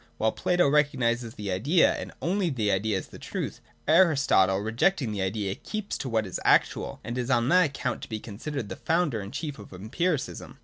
While Plato recognises the idea and only the idea as the truth, Aristotle, rejecting the idea, keeps to what is actual, and is on that account to be considered the founder and chief of empiricism.